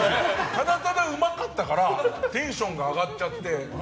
ただただうまかったからテンションが上がっちゃって。